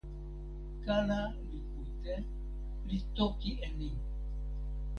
kala li kute, li toki e ni: